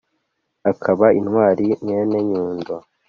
akaba intwari mwene nyundo